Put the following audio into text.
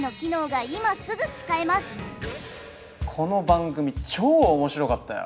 この番組超面白かったよ！